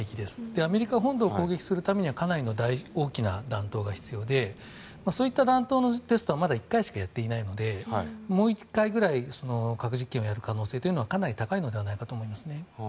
アメリカ本土を攻撃するためにはかなりの大きな弾頭が必要でそういった弾頭のテストはまだ１回しかやっていないのでもう１回ぐらい核実験をやる可能性はかなり高いのではないかと思いますね。